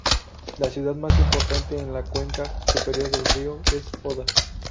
La ciudad más importante en la cuenca superior del río es Oda.